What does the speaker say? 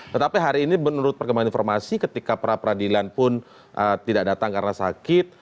tetapi hari ini menurut perkembangan informasi ketika pra peradilan pun tidak datang karena sakit